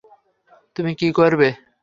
তুমি কি করবে?